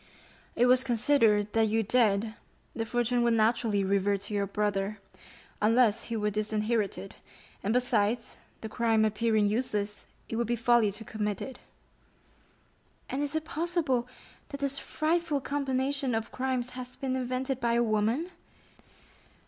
"It was considered, that you dead, the fortune would naturally revert to your brother, unless he were disinherited; and besides, the crime appearing useless, it would be folly to commit it." "And is it possible that this frightful combination of crimes has been invented by a woman?"